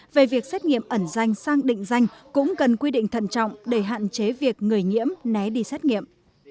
về việc xét nghiệm ẩn danh sang định danh cũng cần quy định thận trọng để hạn chế việc người nhiễm né đi xét nghiệm